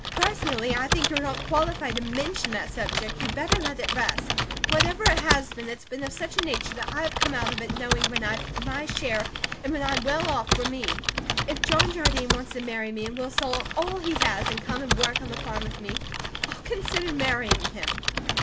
"Personally, I think you're not qualified to MENTION that subject; you better let it rest. Whatever it has been, it's been of such a nature that I have come out of it knowing when I have my share and when I'm well off, for me. If John Jardine wants to marry me, and will sell all he has, and come and work on the farm with me, I'll consider marrying him.